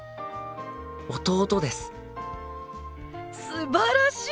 すばらしい！